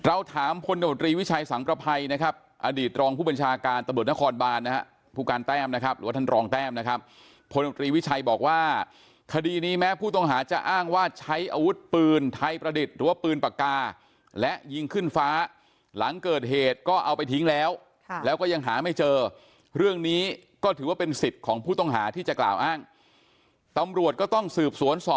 เราถามพลนกตรีวิชัยสังประภัยนะครับอดีตรองผู้บรรชาการตะเบิดนครบานนะครับผู้การแต้มนะครับหรือว่าท่านรองแต้มนะครับพลนกตรีวิชัยบอกว่าคดีนี้แม้ผู้ต้องหาจะอ้างว่าใช้อาวุธปืนไทยประดิษฐ์หรือว่าปืนปากกาและยิงขึ้นฟ้าหลังเกิดเหตุก็เอาไปทิ้งแล้วแล้วก็ยังหาไม่เจอเรื่องนี้ก็ถื